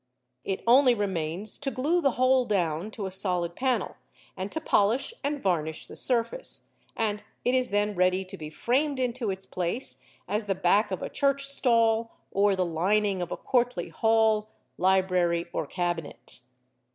It only remains to glue the whole down to a solid panel, and to polish and varnish the surface, and it is then ready to be framed into its place as the back of a church stall, or the lining of a courtly hall, library, or cabinet.